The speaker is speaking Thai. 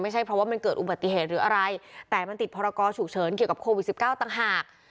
ไม่ใช่เพราะว่ามันเกิดอุบัติเหตุหรืออะไรแต่มันติดพรกรฉุกเฉินเกี่ยวกับโควิด๑๙ต่างหาก